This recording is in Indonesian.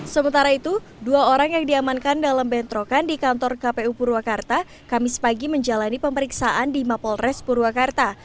sementara itu dua orang yang diamankan dalam bentrokan di kantor kpu purwakarta kamis pagi menjalani pemeriksaan di mapolres purwakarta